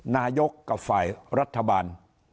นายกกับฝ่ายรัฐบาล